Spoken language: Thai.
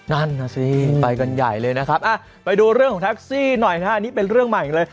นั่นน่ะสิไปกันใหญ่เลยนะครับไปดูเรื่องของแท็กซี่หน่อยนะฮะนี่เป็นเรื่องใหม่เลย